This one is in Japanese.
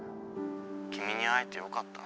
「君に会えてよかった」。